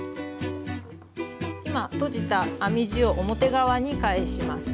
今とじた編み地を表側に返します。